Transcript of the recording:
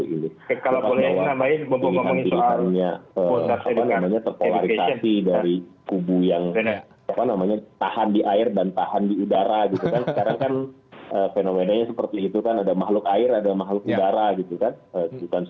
ini tadi karena alviso sudah menyebutkan